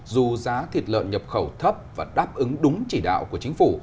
dù giá thịt lợn nhập khẩu thấp và đáp ứng đúng chỉ đạo của chính phủ